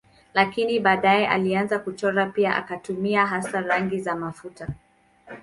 Lakini baadaye alianza kuchora pia akitumia hasa rangi za mafuta.